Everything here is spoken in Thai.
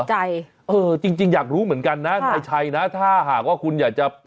ใจเออจริงจริงอยากรู้เหมือนกันนะนายชัยนะถ้าหากว่าคุณอยากจะ